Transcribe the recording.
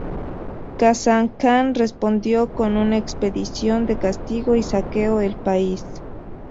Ghazan Kan respondió con un expedición de castigo, y saqueó el país.